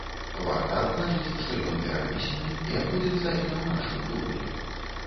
Варта адзначыць, што ён перанесены і адбудзецца не ў нашым клубе.